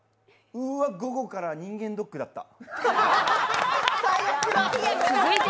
うわ、午後から人間ドックだった！